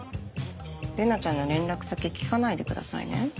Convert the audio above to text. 玲奈ちゃんに連絡先聞かないでくださいね。